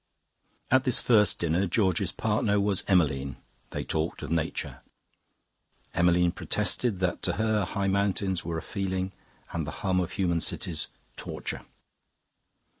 "At this first dinner, George's partner was Emmeline. They talked of Nature. Emmeline protested that to her high mountains were a feeling and the hum of human cities torture.